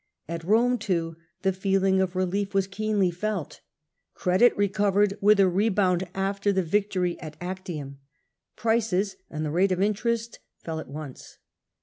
At Rome, too, the feeling of relief was keenly felt. Credit recovered with a rebound after the victory at Actium. Prices and the rate of interest fell at once.